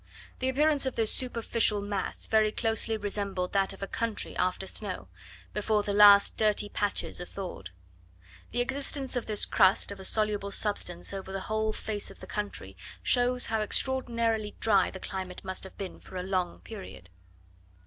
The appearance of this superficial mass very closely resembled that of a country after snow, before the last dirty patches are thawed. The existence of this crust of a soluble substance over the whole face of the country, shows how extraordinarily dry the climate must have been for a long period.